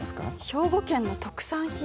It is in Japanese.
兵庫県の特産品。